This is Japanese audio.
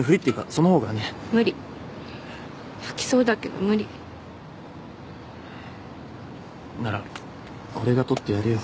そのほうが無理吐きそうだけど無理なら俺が撮ってやるよ